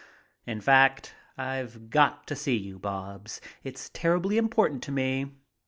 In fact I've got to see you, Bobs. It's terribly important to me.